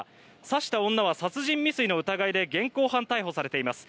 刺した女は殺人未遂の疑いで現行犯逮捕されています。